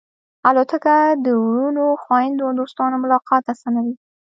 الوتکه د وروڼو، خوېندو او دوستانو ملاقات آسانوي.